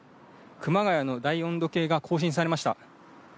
熊谷の大温度計が更新されました。